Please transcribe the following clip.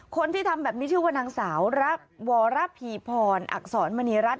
คนที่ทำแบบนี้ชื่อว่านางสาวรับวรพีพรอักษรมณีรัฐ